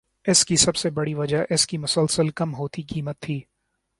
اس کی سب سے بڑی وجہ اس کی مسلسل کم ہوتی قیمت تھی